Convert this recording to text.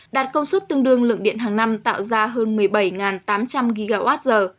đạt công suất tương đương lượng điện hàng năm tạo ra hơn một mươi bảy tám trăm linh gigawatt